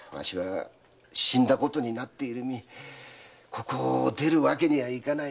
ここを出るわけにはいかない。